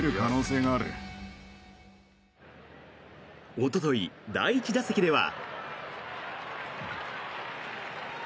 おととい、第１打席では。